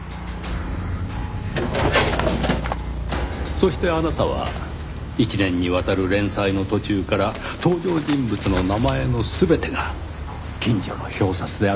そしてあなたは１年にわたる連載の途中から登場人物の名前の全てが近所の表札である事に気づいた。